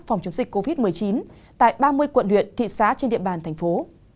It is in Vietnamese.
phòng chống dịch covid một mươi chín tại ba mươi quận huyện thị xã trên địa bàn thành phố